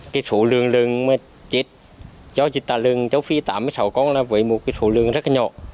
cái số lượng lượng chết do dịch tả lợn châu phi tả một mươi sáu con là một số lượng rất nhỏ